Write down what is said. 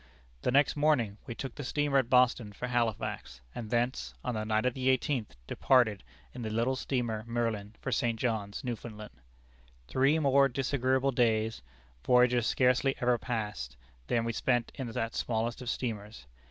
The next morning we took the steamer at Boston for Halifax, and thence, on the night of the eighteenth, departed in the little steamer Merlin for St. John's, Newfoundland. Three more disagreeable days, voyagers scarcely ever passed, than we spent in that smallest of steamers.